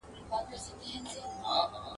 جاهل اولسه کور دي خراب دی !.